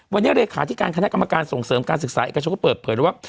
วันนี้เลขาธิการคณะกรรมการส่งเสริมการศึกษาเอกชนก็เปิดเผยแล้วว่า